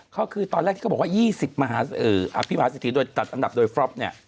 ก็คือตอนแรกที่เขาบอกว่า๒๐มหาสิทธิอันดับโดยฟรอบ